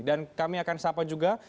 dan kami akan sapa juga